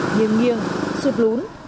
nghiêng nghiêng suốt lún